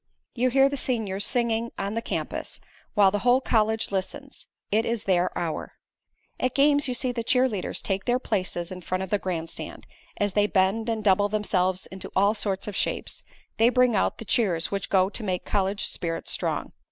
You hear the seniors singing on the campus, while the whole college listens. It is their hour. At games you see the cheer leaders take their places in front of the grandstand, and as they bend and double themselves into all sorts of shapes, they bring out the cheers which go to make college spirit strong.